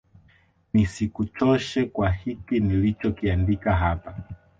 nisikuchoshe kwa hiki nilichokiandika hapa